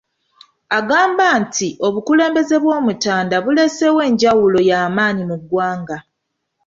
Agamba nti obukulembeze bw'Omutanda buleseewo enjawulo y'amaanyi mu ggwanga.